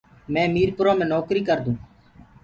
مینٚ ميٚرپرو مي نوڪريٚ ڪردوٚنٚ۔